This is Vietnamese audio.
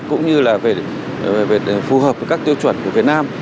cũng như là về phù hợp với các tiêu chuẩn của việt nam